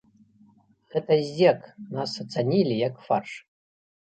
Гэта здзек, нас ацанілі, як фарш.